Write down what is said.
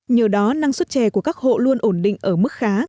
nhờ đó năng suất chè của các hộ luôn ổn định ở mức khá